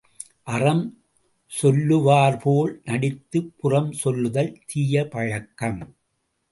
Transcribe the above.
அறம் சொல்லுவார்போல் நடித்துப் புறம் சொல்லுதல் தீயபழக்கம்.